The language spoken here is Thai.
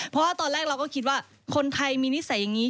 เพราะว่าตอนแรกเราก็คิดว่าคนไทยมีนิสัยอย่างนี้